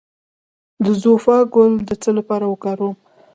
د زوفا ګل د څه لپاره وکاروم؟